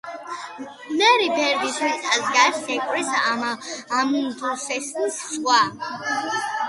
მერი ბერდის მიწას გარს ეკვრის ამუნდსენის ზღვა.